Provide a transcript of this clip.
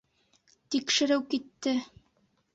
Тикшереү китте.